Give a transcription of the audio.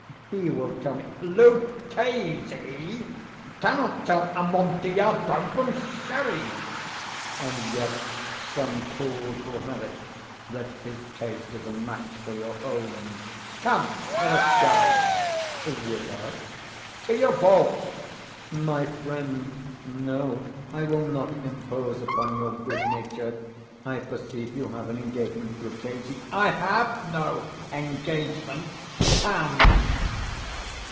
He will tell me—" "Luchesi cannot tell Amontillado from Sherry." "And yet some fools will have it that his taste is a match for your own." "Come, let us go." "Whither?" "To your vaults." "My friend, no; I will not impose upon your good nature. I perceive you have an engagement. Luchesi—" "I have no engagement;—come."